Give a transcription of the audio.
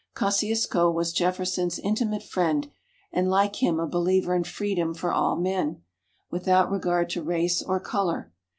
Kosciuszko was Jefferson's intimate friend, and like him a believer in Freedom for all men, without regard to race or colour.